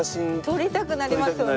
撮りたくなりますよね。